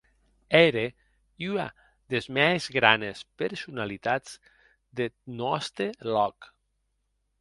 Ère ua des mès granes personalitats deth nòste lòc.